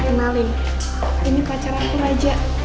kenalin ini pacar aku raja